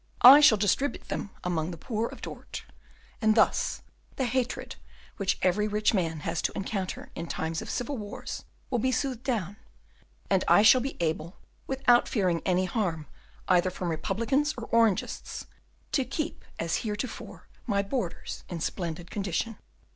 I shall distribute them among the poor of Dort; and thus the hatred which every rich man has to encounter in times of civil wars will be soothed down, and I shall be able, without fearing any harm either from Republicans or Orangists, to keep as heretofore my borders in splendid condition.